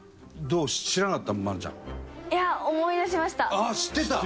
思い出しました。